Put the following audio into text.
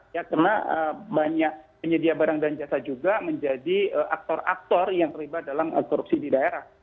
ya karena banyak penyedia barang dan jasa juga menjadi aktor aktor yang terlibat dalam korupsi di daerah